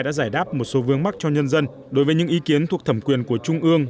đã giải đáp một số vương mắc cho nhân dân đối với những ý kiến thuộc thẩm quyền của trung ương